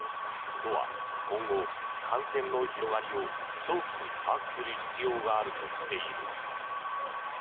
都は今後、感染の広がりを早期に把握する必要があるとしている。